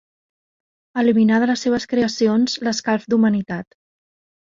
Eliminar de les seves creacions, l'escalf d'humanitat